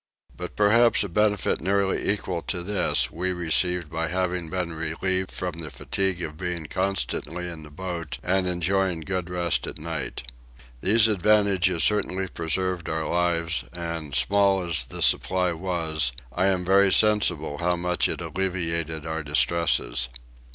But perhaps a benefit nearly equal to this we received by having been relieved from the fatigue of being constantly in the boat and enjoying good rest at night. These advantages certainly preserved our lives and, small as the supply was, I am very sensible how much it alleviated our distresses.